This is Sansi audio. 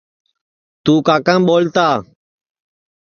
توں کاکام ٻولتا